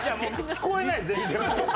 聞こえない全然もう。